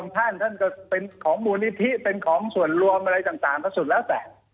ท่านท่านก็เป็นของมูลนิธิเป็นของส่วนรวมอะไรต่างก็สุดแล้วแต่